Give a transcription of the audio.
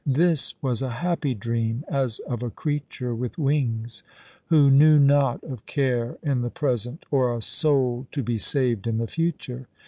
This was a happy dream, as of a creature with wings, who know not of care in the present or a soul to be saved in the future.